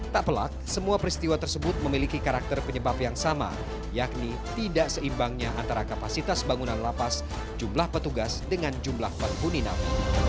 tak pelak semua peristiwa tersebut memiliki karakter penyebab yang sama yakni tidak seimbangnya antara kapasitas bangunan lapas jumlah petugas dengan jumlah penghuni nama